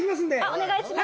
お願いします。